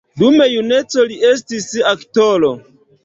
Dum juneco li estis aktoro.